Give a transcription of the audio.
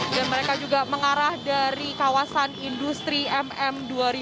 dan mereka juga mengarah dari kawasan industri mm dua ribu seratus